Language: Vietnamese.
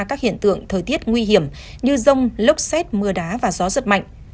các hiện tượng thời tiết nguy hiểm như rông lốc xét mưa đá và gió giật mạnh